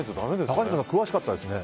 高嶋さん、詳しかったですね。